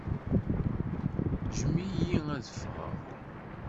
Ǧǧem-iyi ad ffɣeɣ!